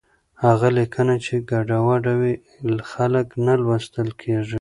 هغه لیکنه چې ګډوډه وي، خلک نه لوستل کېږي.